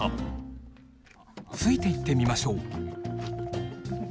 ついていってみましょう。